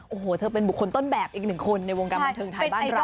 โอ้โหเธอเป็นบุคคลต้นแบบอีกหนึ่งคนในวงการบันเทิงไทยบ้านเรา